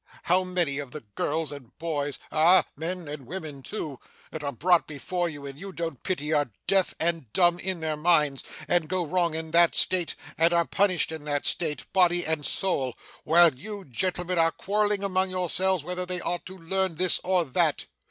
How many of the girls and boys ah, men and women too that are brought before you and you don't pity, are deaf and dumb in their minds, and go wrong in that state, and are punished in that state, body and soul, while you gentlemen are quarrelling among yourselves whether they ought to learn this or that?